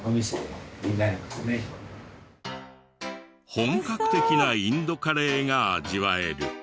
本格的なインドカレーが味わえる。